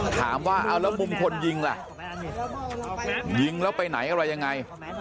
ถามว่าเอาแล้วมุมคนยิงล่ะยิงแล้วไปไหนอะไรยังไง